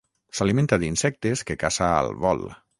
S'alimenta d'insectes que caça al vol.